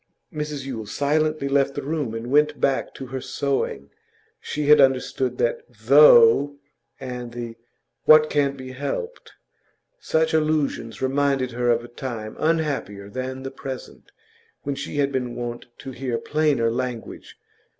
Mrs Yule silently left the room, and went back to her sewing. She had understood that 'Though ' and the 'what can't be helped.' Such allusions reminded her of a time unhappier than the present, when she had been wont to hear plainer language.